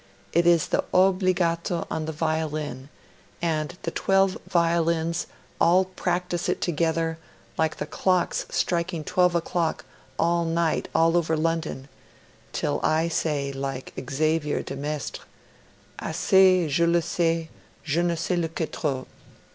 It is the obbligato on the violin, and the twelve violins all practise it together, like the clocks striking twelve o'clock at night all over London, till I say like Xavier de Maistre, Assez, je sais, je ne le sais que trop.